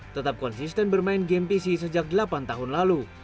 tetap konsisten bermain game pc sejak delapan tahun lalu